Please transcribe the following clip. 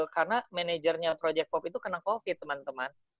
karena managernya project pop itu kena covid teman teman